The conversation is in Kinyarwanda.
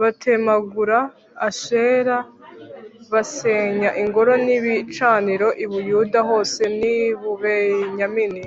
batemagura ashera, basenya ingoro n'ibicaniro i buyuda hose n'i bubenyamini